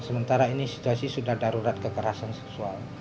sementara ini situasi sudah darurat kekerasan seksual